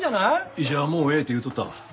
医者はもうええって言っとったわ。